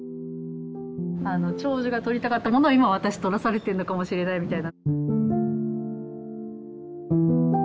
あの長女が撮りたかったものを今私撮らされてるのかもしれないみたいな。